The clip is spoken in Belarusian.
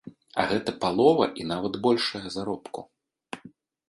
А гэта палова і нават большая заробку.